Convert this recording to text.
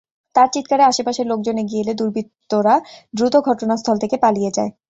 তাঁর চিৎকারে আশপাশের লোকজন এগিয়ে এলে দুর্বৃত্তরা দ্রুত ঘটনাস্থল থেকে পালিয়ে যায়।